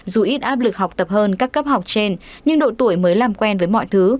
dù ít áp lực học tập hơn các cấp học trên nhưng độ tuổi mới làm quen với mọi thứ